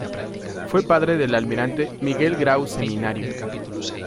Fue padre del almirante Miguel Grau Seminario.